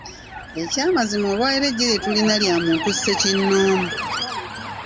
Eky'amazima olwaleero eggye lye tulina lya muntu ssekinnoomu.